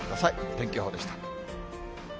天気予報でした。